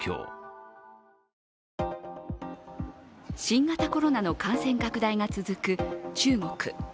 新型コロナの感染拡大が続く中国。